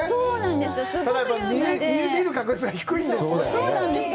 そうなんです。